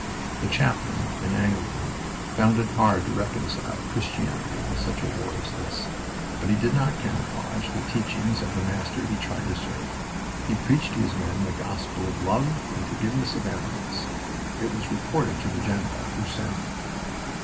The chaplain, an Anglican, found it hard to reconcile Christianity with such a war as this, but he did not camouflage the teachings of the Master he tried to serve. He preached to his men the gospel of love and forgiveness of enemies. It was reported to the general, who sent for him.